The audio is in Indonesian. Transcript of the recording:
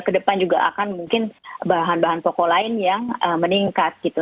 kedepan juga akan mungkin bahan bahan pokok lain yang meningkat gitu